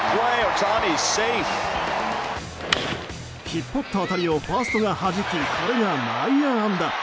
引っ張った当たりをファーストがはじきこれが内野安打。